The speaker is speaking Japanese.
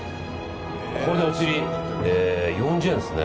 これでお釣り４０円ですね。